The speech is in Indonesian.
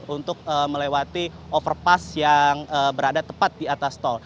untuk melewati overpass yang berada tepat di atas tol